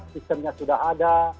sistemnya sudah ada